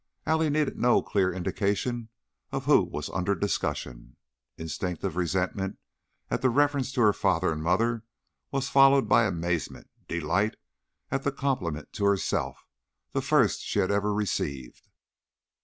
Allie needed no clearer indication of who was under discussion. Instinctive resentment at the reference to her father and mother was followed by amazement, delight, at the compliment to herself the first she had ever received.